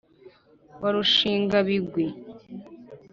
Wa Rushingabigwi